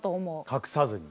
隠さずに。